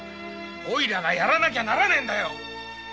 おいらがやらなきゃならないんだよ！